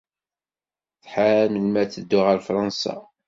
Tḥar melmi ara teddu ɣer Fṛansa.